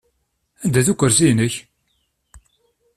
Anda-t ukursi-inek?